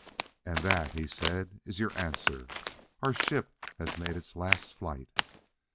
"And that," he said, "is your answer. Our ship has made its last flight."